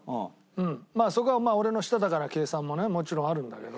まあそこは俺のしたたかな計算もねもちろんあるんだけど。